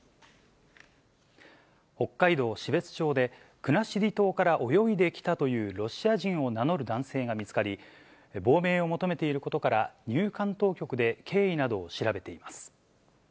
北海道標津町で、国後島から泳いできたというロシア人を名乗る男性が見つかり、亡命を求めていることから、入管当局で経緯などを調べています。